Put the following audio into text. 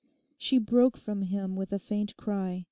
She broke from him with a faint cry.